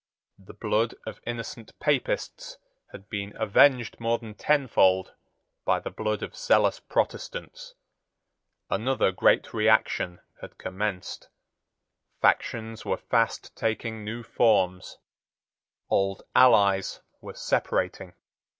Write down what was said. The blood of innocent Papists had been avenged more than tenfold by the blood of zealous Protestants. Another great reaction had commenced. Factions were fast taking new forms. Old allies were separating.